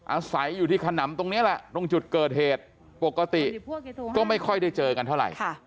อาศัยอยู่ที่ขนำตรงนี้แหละตรงจุดเกิดเหตุปกติก็ไม่ค่อยได้เจอกันเท่าไหร่